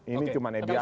ini cuman biasa